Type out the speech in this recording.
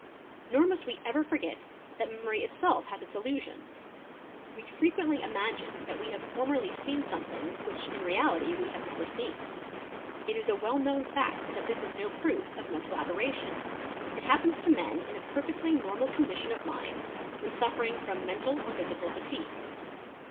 Nor must we ever forget that memory itself has its llusions: we frequently imagine that we have formerly seen something hich in reality we have never seen. It is a well known fact that this /no proof of mental aberration; it happens to men in a perfectly "normal condition of mind when suffering from mental or physical fatigue.